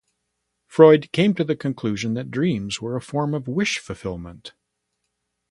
Freud came to the conclusion that dreams were a form of wish fulfillment.